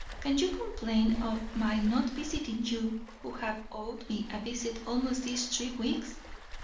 Can you complain of my not visiting you, who have owed me a visit almost these three weeks?